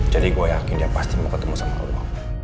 jadi gua yakin dia pasti mau ketemu sama lo